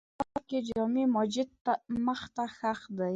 کاک نیکه هرات کښې جامع ماجت مخ ته ښخ دی